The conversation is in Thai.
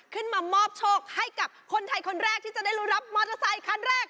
ขึ้นมามอบโชคให้กับคนไทยคนแรกที่จะได้รู้รับมอเตอร์ไซคันแรก